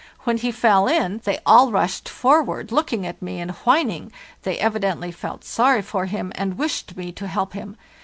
When he fell in they all rushed forward, looking at me and whining; they evidently felt sorry for him and wished me to help him.